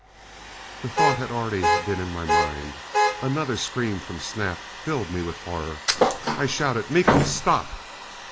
The thought had already been in my mind. Another scream from Snap filled me with horror. I shouted, "Miko! Stop!"